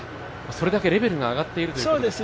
それだけレベルが上がっているという。